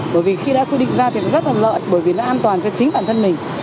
bởi vì khi đã quy định ra việc rất là lợi bởi vì nó an toàn cho chính bản thân mình